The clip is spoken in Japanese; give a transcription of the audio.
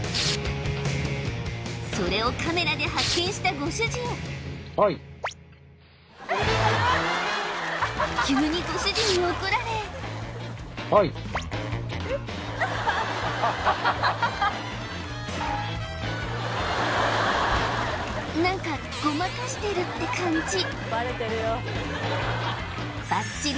それをカメラで発見したご主人急にご主人に怒られ何かごまかしてるって感じ